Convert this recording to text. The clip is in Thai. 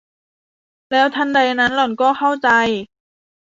แล้วทันใดนั้นหล่อนก็เข้าใจ